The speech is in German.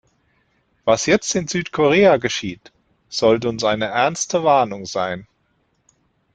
Was jetzt in Südkorea geschieht, sollte uns eine ernste Warnung sein.